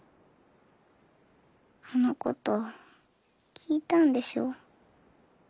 あのこと聞いたんでしょ？